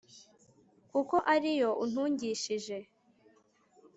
kuko ari yo untungishije